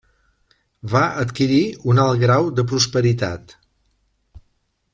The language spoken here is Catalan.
Va adquirir un alt grau de prosperitat.